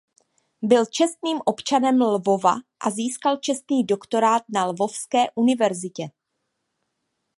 Byl čestným občanem Lvova a získal čestný doktorát na Lvovské univerzitě.